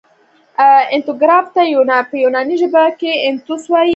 اتنوګراف ته په یوناني ژبه کښي انتوس وايي.